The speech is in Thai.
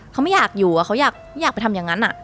เขาไม่อยากอยู่เขาอยากไปทำอย่างนั้น